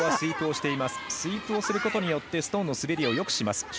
スイープをすることによりストーンの滑りをよくします。